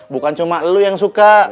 bukan cuma lo yang suka